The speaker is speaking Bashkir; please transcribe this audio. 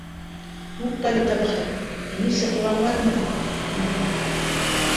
Туҡта әле, ҡәбәхәт! һине сихырланылармы ни?